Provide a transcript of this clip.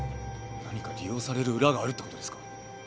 何か利用される裏があるって事ですか？